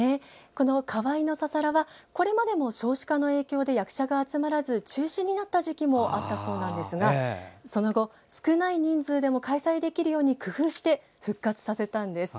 この河井のささらはこれまでも少子化の影響で役者が集まらず中止になった時期もあったそうですがその後、少ない人数でも開催できるよう工夫して復活させたんです。